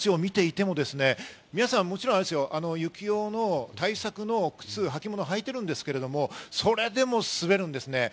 今日、街を見ていても、皆さん、もちろん雪用の対策の靴を、はき物を履いているんですが、それでも滑るんですね。